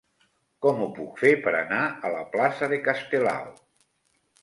Com ho puc fer per anar a la plaça de Castelao?